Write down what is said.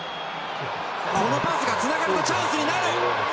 このパスがつながるとチャンスになる。